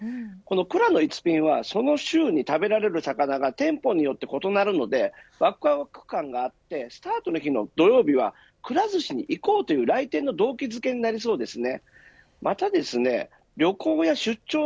くらの一品はその週に食べられる魚が店舗によって異なるためわくわく感があってスタートの日の土曜日はくら寿司に行こういう来店の動機づけになりそうですね。